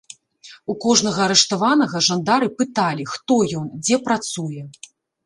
У кожнага арыштаванага жандары пыталі, хто ён, дзе працуе.